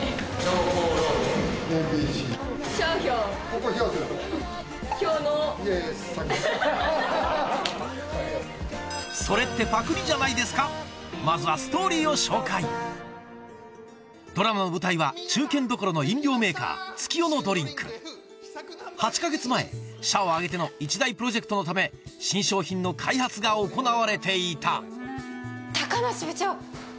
この番組でしか見られないまずはストーリーを紹介ドラマの舞台は中堅どころの飲料メーカー８か月前社を挙げての一大プロジェクトのため新商品の開発が行われていた高梨部長！